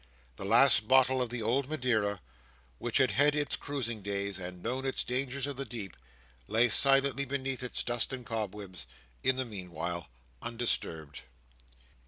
The last bottle of the old Madeira, which had had its cruising days, and known its dangers of the deep, lay silently beneath its dust and cobwebs, in the meanwhile, undisturbed.